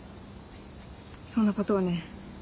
そんなことをね